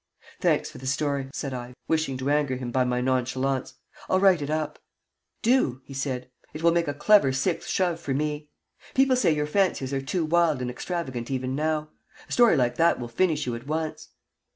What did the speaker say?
"Thanks for the story," said I, wishing to anger him by my nonchalance. "I'll write it up." "Do," he said. "It will make a clever sixth shove for me. People say your fancies are too wild and extravagant even now. A story like that will finish you at once."